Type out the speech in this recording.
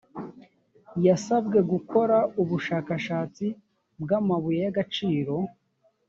yasabwe gukora ubushakashatsi bw’amabuye y’agaciro